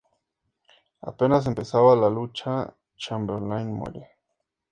Apenas empezada la lucha, Chamberlain muere.